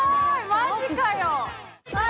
マジかよ！